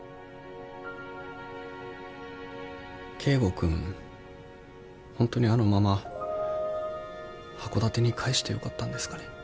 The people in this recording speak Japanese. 君ホントにあのまま函館に帰してよかったんですかね？